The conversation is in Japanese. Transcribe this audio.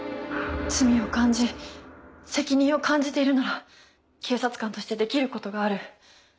「罪を感じ責任を感じているなら警察官としてできることがある」